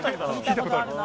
聴いたことあるな。